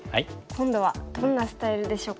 今度はどんなスタイルでしょうか。